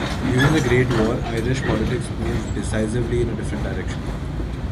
During the Great War Irish politics moved decisively in a different direction.